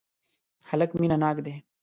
هلک مینه ناک دی.